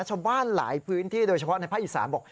ชาวบ้านหลายพื้นที่โดยเฉพาะในภาคอีสานบอก